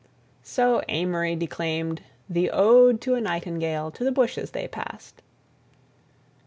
So Amory declaimed "The Ode to a Nightingale" to the bushes they passed.